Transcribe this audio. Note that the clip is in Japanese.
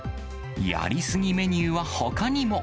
やりすぎメニューはほかにも。